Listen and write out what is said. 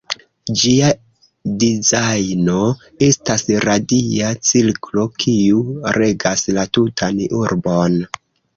Ĝia dizajno estas radia cirklo kiu regas la tutan urbon.